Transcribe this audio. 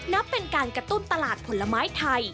นับเป็นการกระตุ้นตลาดผลไม้ไทย